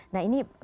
nah ini bagaimana